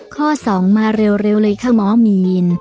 ข้อ๒มาเร็วเลยค่ะหมอมีน